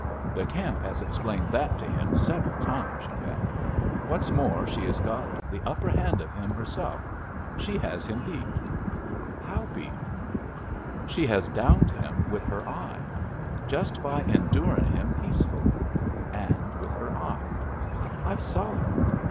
The camp has explained that to him several times, you bet! And what's more, she has got the upper hand of him herself. She has him beat." "How beat?" "She has downed him with her eye. Just by endurin' him peacefully; and with her eye. I've saw it.